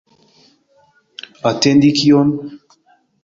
Atendi kion?